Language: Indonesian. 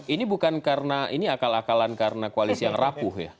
ini bukan karena ini akal akalan karena koalisi yang rapuh ya